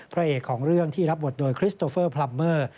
พระเอกของเรื่องที่รับบทโดยคริสโตเฟอร์พลัมเมอร์